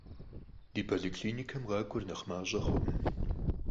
Ди поликлиникэм къакӀуэр нэхъ мащӀэ хъуркъым.